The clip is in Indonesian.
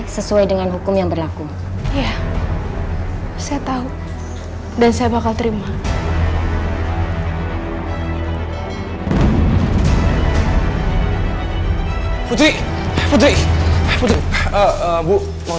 sesuai dengan hukum yang berlaku iya saya tahu dan saya bakal terima putri putri putri bu mohon